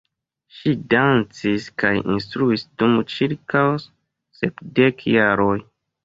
Ŝi dancis kaj instruis dum ĉirkaŭ sepdek jaroj.